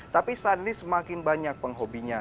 tapi sadis semakin banyak penghobinya